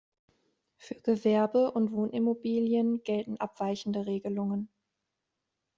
Für Gewerbe- und Wohnimmobilien gelten abweichende Regelungen.